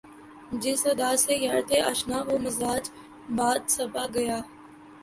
جس ادا سے یار تھے آشنا وہ مزاج باد صبا گیا